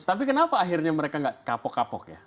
tapi kenapa akhirnya mereka nggak kapok kapok ya